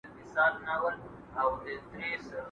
چي نه دي وينم، اخير به مي هېر سى.